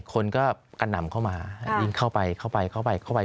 คนก็กระหน่ำเข้ามายิงเข้าไปเข้าไปเข้าไป